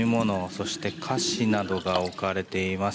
そして、菓子などが置かれています。